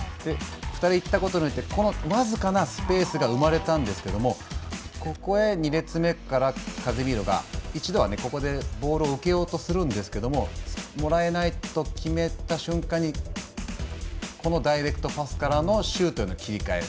２人、いったことによって僅かなスペースが生まれたんですけれどもここへ２列目からカゼミーロが一度はここでボールを受けようとするんですけれどももらえないと決めた瞬間にこのダイレクトパスからのシュートへの切り替え。